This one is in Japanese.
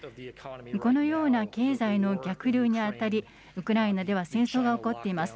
このような経済の逆流にあたり、ウクライナでは戦争が起こっています。